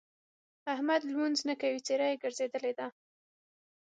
احمد لمونځ نه کوي؛ څېره يې ګرځېدلې ده.